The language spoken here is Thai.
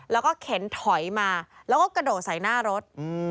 แล้วก็เข็นถอยมาแล้วก็กระโดดใส่หน้ารถ